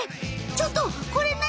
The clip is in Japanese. ちょっとこれ何？